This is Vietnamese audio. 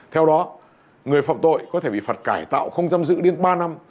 theo đó người phạm tội có thể bị phật cải tạo không chăm dữ đến ba năm